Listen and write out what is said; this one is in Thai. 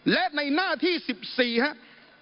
และในหน้าที่๑๔ครับ